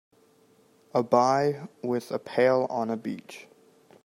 A buy with a pale on a beach.